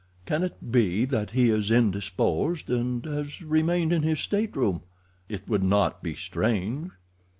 Can it be that he is indisposed, and has remained in his stateroom? It would not be strange."